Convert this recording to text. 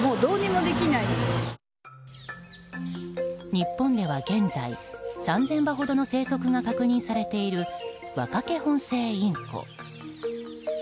日本では現在３０００羽ほどの生息が確認されているワカケホンセイインコ。